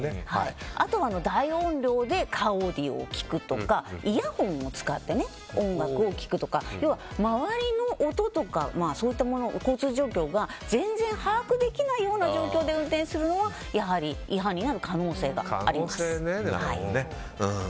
あとは大音量でカーオーディオを聴くとかイヤホンを使って音楽を聴くとか周りの音とかそういう交通状況が全然把握できないような状況で運転するのは違反になる可能性があります。